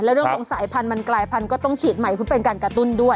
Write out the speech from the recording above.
เรื่องของสายพันธุ์มันกลายพันธุ์ก็ต้องฉีดใหม่เพื่อเป็นการกระตุ้นด้วย